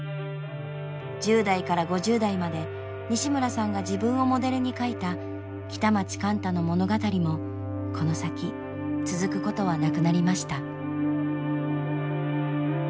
１０代から５０代まで西村さんが自分をモデルに書いた北町貫多の物語もこの先続くことはなくなりました。